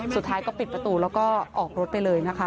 สุดท้ายก็ปิดประตูแล้วก็ออกรถไปเลยนะคะ